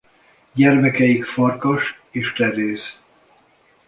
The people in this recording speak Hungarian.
Gyermekeik Farkas és Teréz.